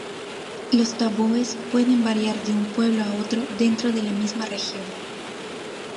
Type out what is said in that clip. Los tabúes pueden variar de un pueblo a otro dentro de la misma región.